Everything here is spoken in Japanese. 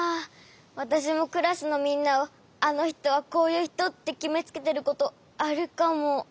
わたしもクラスのみんなをあのひとはこういうひとってきめつけてることあるかも。